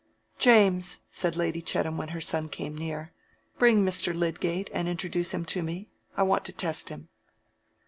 "James," said Lady Chettam when her son came near, "bring Mr. Lydgate and introduce him to me. I want to test him."